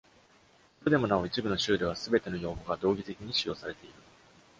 それでもなお、一部の州では全ての用語が同義的に使用されている。